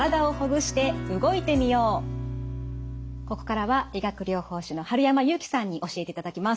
ここからは理学療法士の春山祐樹さんに教えていただきます。